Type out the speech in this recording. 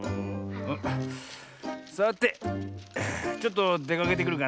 さてちょっとでかけてくるかなあ。